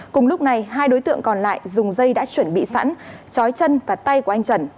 cùng lúc này hai đối tượng còn lại dùng dây đã chuẩn bị sẵn chói chân và tay của anh trần